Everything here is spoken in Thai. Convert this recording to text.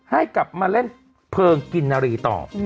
ให้กลับมาเล่นเพลิงกินนารีต่อ